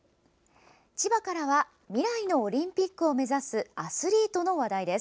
千葉からは未来のオリンピックを目指すアスリートの話題です。